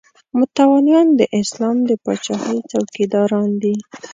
متولیان د اسلام د پاچاهۍ څوکیداران دي.